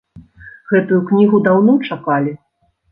Гэту кнігу даўно чакалі.